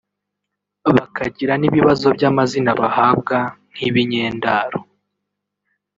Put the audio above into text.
bakagira n’ibibazo by’amazina bahabwa ‘nk’ibinyendaro